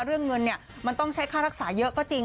เรื่องเงินเนี่ยมันต้องใช้ค่ารักษาเยอะก็จริง